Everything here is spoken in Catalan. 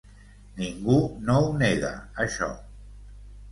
Ningú no ho nega, això.